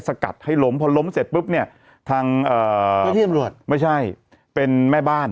สกัดให้ล้มพอล้มเสร็จปุ๊บเนี่ยทางเจ้าหน้าที่ตำรวจไม่ใช่เป็นแม่บ้าน